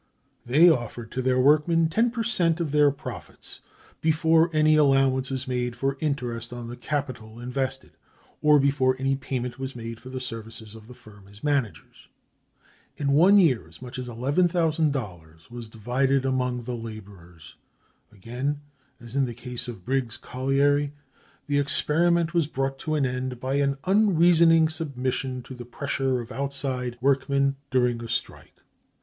They offered to their workmen ten per cent of their profits, before any allowance was made for interest on the capital invested, or before any payment was made for the services of the firm as managers. In one year as much as $11,000 was divided among the laborers. Again, as in the case of the Briggs colliery, the experiment was brought to an end by an unreasoning submission to the pressure of outside workmen during a strike.